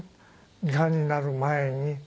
胃がんになる前に」。